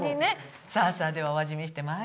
さあさあではお味見して参りましょう。